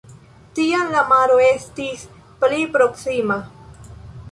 Tiam la maro estis pli proksima.